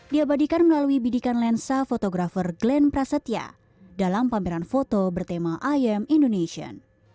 diabadikan melalui bidikan lensa fotografer glenn prasetya dalam pameran foto bertema im indonesian